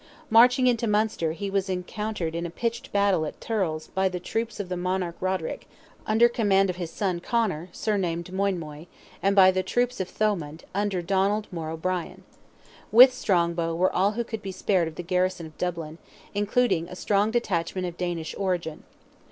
Marching into Munster he was encountered in a pitched battle at Thurles by the troops of the monarch Roderick, under command of his son, Conor, surnamed Moinmoy, and by the troops of Thomond, under Donald More O'Brien. With Strongbow were all who could be spared of the garrison of Dublin, including a strong detachment of Danish origin.